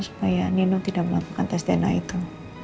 supaya nino tidak melakukan tes dna itu